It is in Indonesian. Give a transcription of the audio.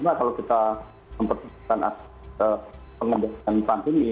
nah kalau kita mempertimbangkan pengendalian pandemi